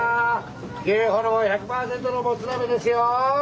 牛ホルモン１００％のもつ鍋ですよ！